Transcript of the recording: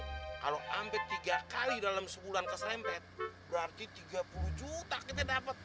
kalau hampir tiga kali dalam sebulan keserempet berarti tiga puluh juta kita dapat